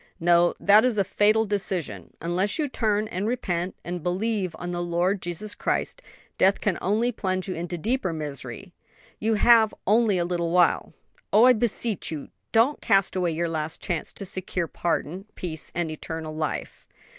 "No; that is a fatal delusion, and unless you turn and repent, and believe on the Lord Jesus Christ, death can only plunge you into deeper misery. You have only a little while! Oh, I beseech you, don't cast away your last chance to secure pardon, peace and eternal life!"